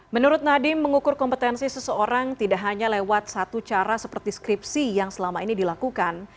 menurut nadiem mengukur kompetensi seseorang tidak hanya lewat satu cara seperti skripsi yang selama ini dilakukan